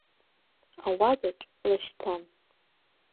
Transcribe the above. Ауадаҿ лашьцан.